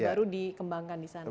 baru dikembangkan di sana